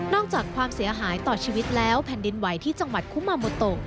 อกจากความเสียหายต่อชีวิตแล้วแผ่นดินไหวที่จังหวัดคุมาโมโต